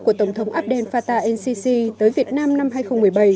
của tổng thống abdel fattah ncc tới việt nam năm hai nghìn một mươi bảy